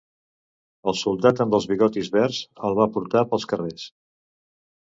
El soldat amb els bigotis verds els va portar pels carrers.